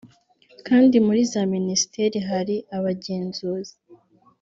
kandi muri za Minisiteri hari abagenzuzi